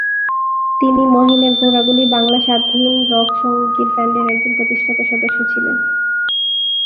তিনি মহীনের ঘোড়াগুলি বাংলা স্বাধীন রক সঙ্গীত ব্যান্ডের একজন প্রতিষ্ঠাতা সদস্য ছিলেন।